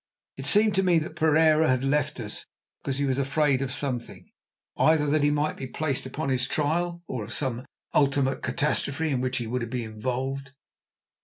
It seemed to me that Pereira had left us because he was afraid of something—either that he might be placed upon his trial or of some ultimate catastrophe in which he would be involved.